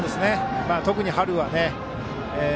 特に春はね。